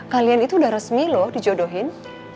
kalian itu udah resmi loh dijodohin